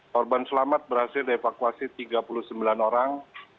korban selamat berhasil dievakuasi tiga puluh sembilan orang